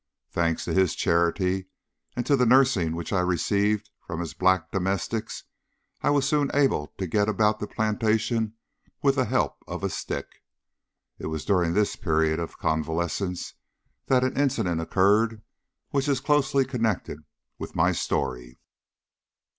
Thanks to his charity, and to the nursing which I received from his black domestics, I was soon able to get about the plantation with the help of a stick. It was during this period of convalescence that an incident occurred which is closely connected with my story.